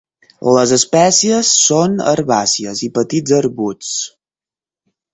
Les espècies són herbàcies i petits arbusts.